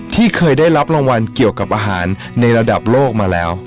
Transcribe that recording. ที่เคยได้รับรางวัลเกี่ยวกับอาหารในระดับโลกมาแล้ว